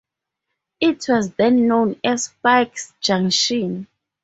It was then known as Pike's Junction.